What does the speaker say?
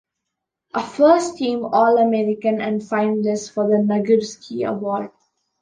A first-team All-American and finalist for the Nagurski Award.